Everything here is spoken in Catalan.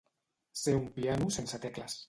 Ser un piano sense tecles.